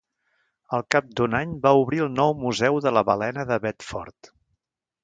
Al cap d'un any, va obrir el Nou Museu de la Balena de Bedford.